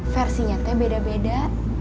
versinya teh beda beda